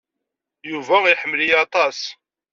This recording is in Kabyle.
Yuba iḥemmel-iyi aṭas.